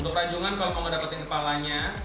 untuk ranjungan kalau kamu tidak mendapatkan kepalanya